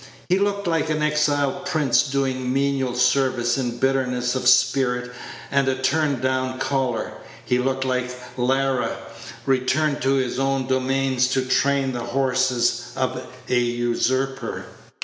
He looked like an exiled prince doing menial service in bitterness of spirit and a turned down collar. He looked like Lara returned to his own domains to train the horses of a usurper.